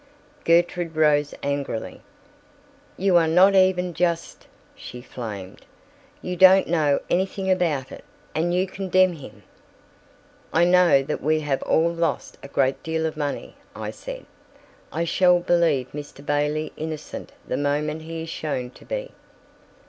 Gertrude rose angrily. "You are not even just!" she flamed. "You don't know anything about it, and you condemn him!" "I know that we have all lost a great deal of money," I said. "I shall believe Mr. Bailey innocent the moment he is shown to be.